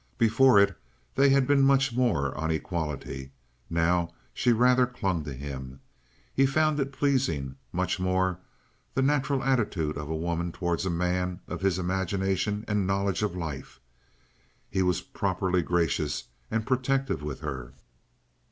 Before it they had been much more on equality; now she rather clung to him. He found it pleasing, much more the natural attitude of a woman towards a man of his imagination and knowledge of life. He was properly gracious and protective with her.